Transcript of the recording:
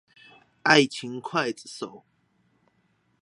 愛情劊子手